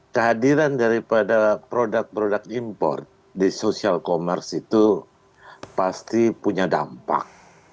kehadiran daripada produk produk import di social commerce itu pasti punya dampak